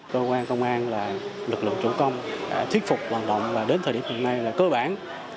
cơ quan công an là lực lượng chủ công thuyết phục vận động và đến thời điểm hiện nay là cơ bản